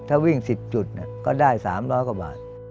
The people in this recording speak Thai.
ถ้าวิ่ง๑๐จุดก็ได้๓๐๐กว่าบาท